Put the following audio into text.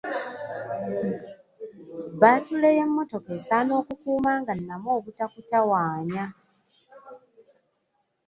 Bbaatule y'emmotoka esaana okukuuma nga nnamu obutakutawaanya.